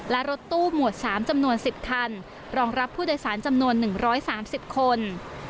และรถตู้หมวดสามจำนวนสิบคันรองรับผู้โดยสารจำนวนหนึ่งร้อยสามสิบคน